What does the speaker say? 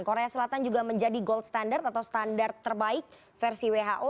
korea selatan juga menjadi gold standard atau standar terbaik versi who